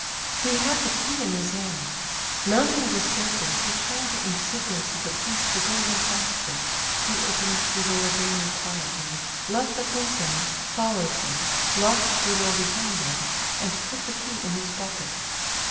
He had the key in his hand. Mounting the staircase he turned and signalled to the prince to go more softly; he opened the door very quietly, let the prince in, followed him, locked the door behind him, and put the key in his pocket.